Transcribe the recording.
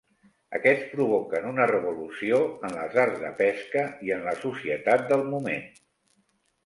Aquests provoquen una revolució en les arts de pesca i en la societat del moment.